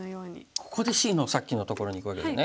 ここでＣのさっきのところにいくわけですね。